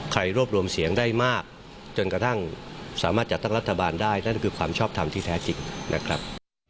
รวบรวมเสียงได้มากจนกระทั่งสามารถจัดตั้งรัฐบาลได้นั่นคือความชอบทำที่แท้จริงนะครับ